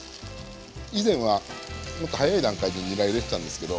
以前はもっと早い段階でにら入れてたんですけど